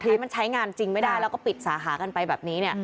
ทีนี้มันใช้งานจริงไม่ได้แล้วก็ปิดสาขากันไปแบบนี้เนี่ย